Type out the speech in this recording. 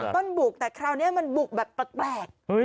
บุกแต่คราวนี้มันบุกแบบแปลก